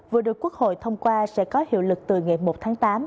vừa được quốc hội thông qua sẽ có hiệu lực từ ngày một tháng tám